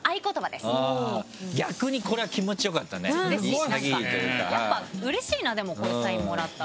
うれしいなんかやっぱうれしいなでもこういうサインもらったら。